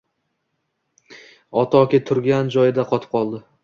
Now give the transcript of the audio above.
Otoki turgan joyida qotib qoldi